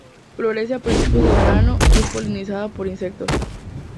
Florece a principios de verano y es polinizada por insectos.